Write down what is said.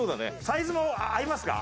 サイズも合いますか？